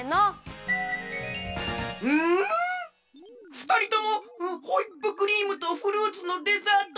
ふたりともホイップクリームとフルーツのデザート